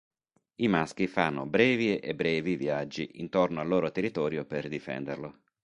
I maschi fanno brevi e brevi viaggi intorno al loro territorio per difenderlo.